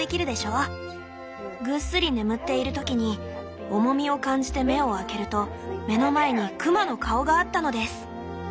ぐっすり眠っている時に重みを感じて目を開けると目の前に熊の顔があったのです！」。